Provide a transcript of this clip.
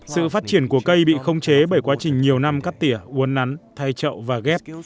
sự phát triển của cây bị khống chế bởi quá trình nhiều năm cắt tỉa uốn nắn thay trậu và ghép